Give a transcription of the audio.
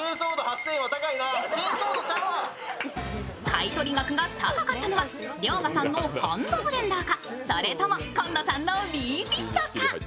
買い取り額が高かったのは、遼河さんのハンドブレンダーか、それとも紺野さんのＷｉｉＦｉｔか。